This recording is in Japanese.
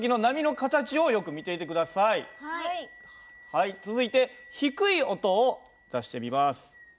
はい続いて低い音を出してみます。